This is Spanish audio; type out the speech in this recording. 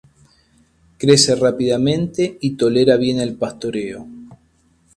Crece rápidamente y tolera bien el pastoreo.